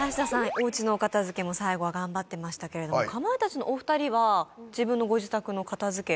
おうちのお片づけも最後は頑張ってましたけれどもかまいたちのお二人は自分のご自宅の片づけ